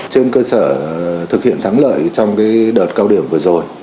trên cơ sở thực hiện thắng lợi trong đợt cao điểm vừa rồi